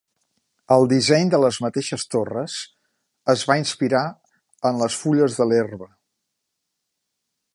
El disseny de les mateixes torres es va inspirar en les fulles de l'herba.